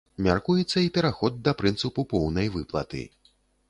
Мяркуецца і пераход да прынцыпу поўнай выплаты.